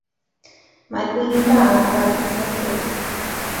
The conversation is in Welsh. Mae gwin da ar werth yn Lidl.